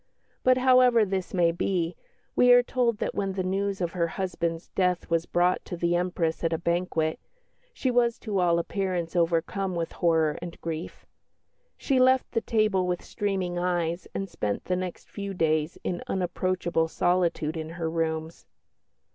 But, however this may be, we are told that when the news of her husband's death was brought to the Empress at a banquet, she was to all appearance overcome with horror and grief. She left the table with streaming eyes and spent the next few days in unapproachable solitude in her rooms.